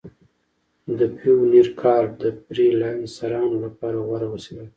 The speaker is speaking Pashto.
د پیونیر کارډ د فریلانسرانو لپاره غوره وسیله ده.